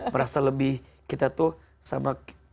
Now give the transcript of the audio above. merasa lebih kita tuh sama